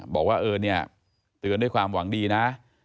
บอกว่าเตือนด้วยความหวังดีนะ